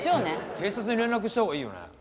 警察に連絡したほうがいいよね？